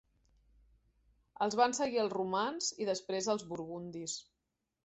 Els van seguir els romans i després els burgundis.